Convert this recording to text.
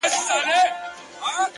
مرگه نژدې يې څو شېبې د ژوندانه پاتې دي;